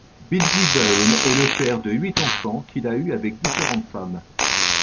Bizzy Bone est le père de huit enfants qu'il a eus avec différentes femmes.